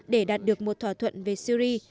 để đạt được một thỏa thuận về syri